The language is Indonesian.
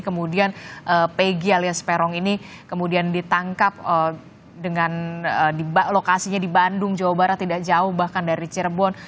kemudian pegi alias peron ini kemudian ditangkap dengan lokasinya di bandung jawa barat tidak jauh bahkan dari cirebon